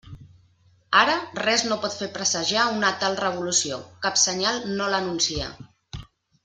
Ara, res no pot fer presagiar una tal revolució, cap senyal no l'anuncia.